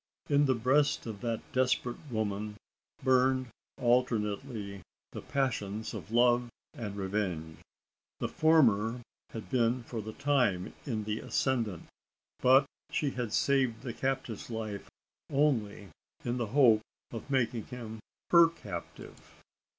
In the breast of this desperate woman burned alternately the passions of love and revenge. The former had been for the time in the ascendant; but she had saved the captive's life, only in the hope of making him her captive.